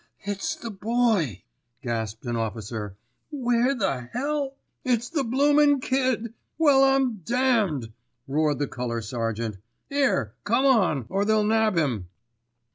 "It's the Boy," gasped an officer. "Where the hell——" "It's the bloomin' Kid. Well I'm damned!" roared the colour sergeant. "'Ere, come on, or they'll nab 'im."